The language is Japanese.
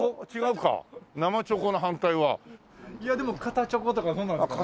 いやでも硬チョコとかそんなのですかね。